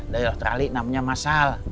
dari dokter ali namanya mas al